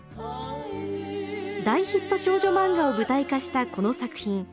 大ヒット少女漫画を舞台化したこの作品。